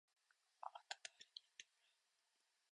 思った通りにやってごらん